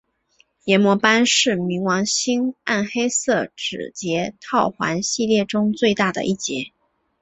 炎魔斑是冥王星暗黑色指节套环系列中最大的一节。